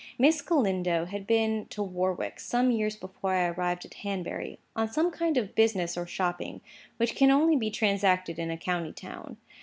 Miss Galindo had been to Warwick, some years before I arrived at Hanbury, on some kind of business or shopping, which can only be transacted in a county town.